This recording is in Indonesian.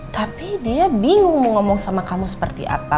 tapi dia bingung mau ngomong sama kamu seperti apa